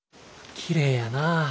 きれいやなぁ。